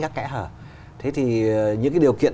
các kẽ hở thế thì những cái điều kiện